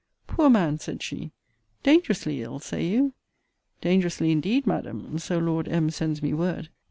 Poor man! said she. Dangerously ill, say you? Dangerously indeed, Madam! So Lord M. sends me word!